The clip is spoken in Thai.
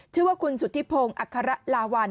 ชื่อว่าคุณสุธิพงศ์อัคระลาวัล